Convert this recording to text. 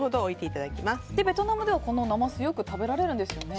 ベトナムでは、なますよく食べられるんですよね。